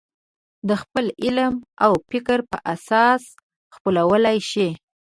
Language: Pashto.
د خپل علم او فکر په اساس خپلولی شي.